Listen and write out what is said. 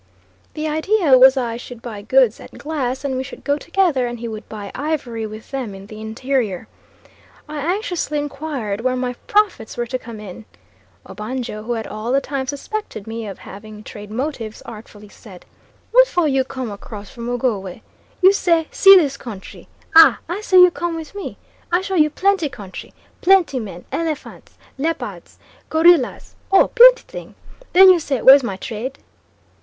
The idea was I should buy goods at Glass and we should go together and he would buy ivory with them in the interior. I anxiously inquired where my profits were to come in. Obanjo who had all the time suspected me of having trade motives, artfully said, "What for you come across from Ogowe? You say, see this country. Ah! I say you come with me. I show you plenty country, plenty men, elephants, leopards, gorillas. Oh! plenty thing. Then you say where's my trade?"